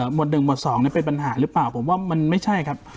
๑หมวด๒เป็นปัญหาหรือเปล่าผมว่ามันไม่ใช่ครับ